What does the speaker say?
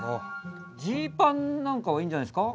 ジーパンなんかはいいんじゃないですか？